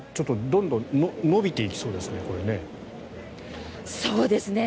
どんどん延びていきそうですね。